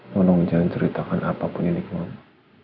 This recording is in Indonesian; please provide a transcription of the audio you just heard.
tolong jangan ceritakan apapun ini ke mama